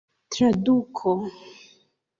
traduko